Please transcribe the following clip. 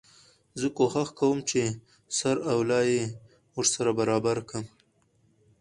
زه کوښښ کوم چي سر او لای يې ورسره برابر کړم.